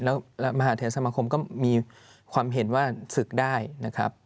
แล้วมหาเทศสมาคมก็มีความเห็นว่าศึกได้นะครับ